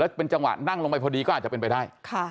เป็นจังหวะนั่งลงไปพอดีก็อาจจะเป็นไปได้